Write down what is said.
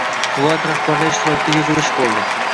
Viloyat rahbarlari ishtirokida yigʻilish boʻldi.